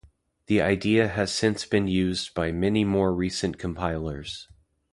The idea has since been used by many more recent compilers.